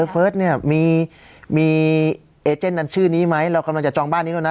เฟิร์สเนี่ยมีเอเจนนั้นชื่อนี้ไหมเรากำลังจะจองบ้านนี้แล้วนะ